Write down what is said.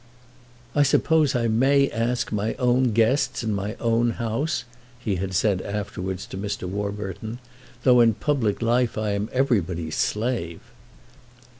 "I suppose I may ask my own guests in my own house," he had said afterwards to Mr. Warburton, "though in public life I am everybody's slave."